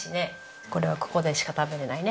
これはここでしか食べられないね。